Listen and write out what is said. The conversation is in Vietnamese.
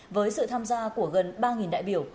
với sự tham gia của gần ba đại biểu